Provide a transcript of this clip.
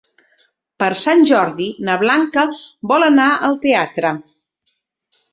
Per Sant Jordi na Blanca vol anar al teatre.